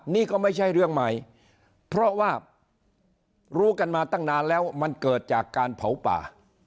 นี่ก็ไม่ใช่เรื่องใหม่เพราะว่ารู้กันมาตั้งนานแล้วมันเกิดจากการเผาป่า